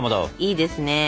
いいですね。